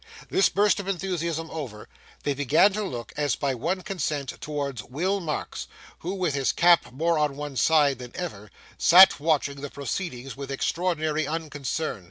This burst of enthusiasm over, they began to look, as by one consent, toward Will Marks, who, with his cap more on one side than ever, sat watching the proceedings with extraordinary unconcern.